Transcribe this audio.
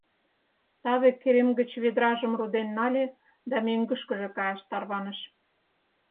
Таве керем гыч ведражым руден нале да мӧҥгышкыжӧ каяш тарваныш.